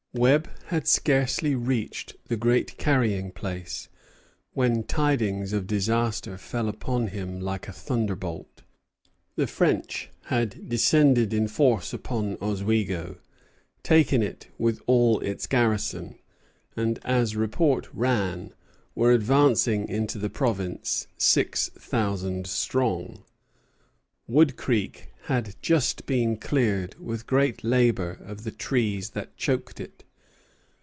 Webb had scarcely reached the Great Carrying Place, when tidings of disaster fell upon him like a thunderbolt. The French had descended in force upon Oswego, taken it with all its garrison; and, as report ran, were advancing into the province, six thousand strong. Wood Creek had just been cleared, with great labor, of the trees that choked it.